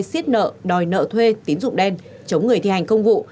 xiết nợ đòi nợ thuê tín dụng đen chống người thi hành công vụ